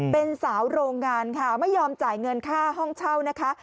เป็นสาวโรงงานค่ะไม่ยอมจ่ายเงินค่าห้องเช่านะคะ